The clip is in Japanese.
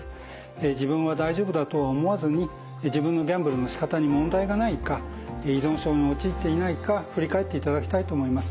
自分は大丈夫だとは思わずに自分のギャンブルのしかたに問題がないか依存症に陥っていないか振り返っていただきたいと思います。